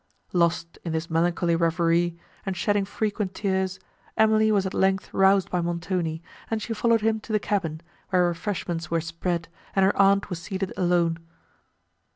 Lost in this melancholy reverie, and shedding frequent tears, Emily was at length roused by Montoni, and she followed him to the cabin, where refreshments were spread, and her aunt was seated alone.